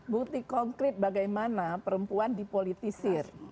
bukti konkret bagaimana perempuan dipolitisir